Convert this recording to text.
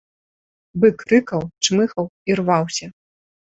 Бык рыкаў, чмыхаў і рваўся.